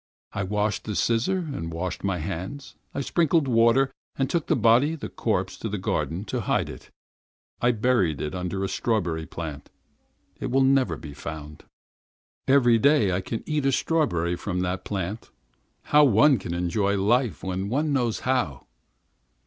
I washed the scissors, I washed my hands. I sprinkled water and took the body, the corpse, to the garden to hide it. I buried it under a strawberry plant. It will never be found. Every day I shall eat a strawberry from that plant. How one can enjoy life when one knows how!